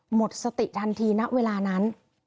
หมดสติทันทีณเวลานั้น